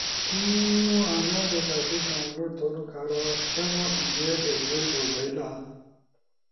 تو انا ڈیٹا سیٹ ڈاونلوڈ تھونو کارا تمو ای میل ایڈریس دو بئیلا۔